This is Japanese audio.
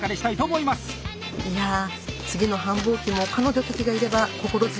いや次の繁忙期も彼女たちがいれば心強いです。